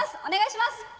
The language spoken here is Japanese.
お願いします。